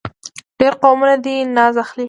ډېر قومونه دې ناز اخلي.